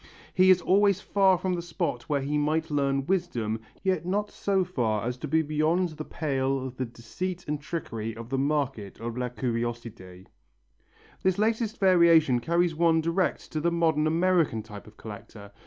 He is always far from the spot where he might learn wisdom, yet not so far as to be beyond the pale of the deceit and trickery of the market of la curiosité. This latest variation carries one direct to the modern American type of collector.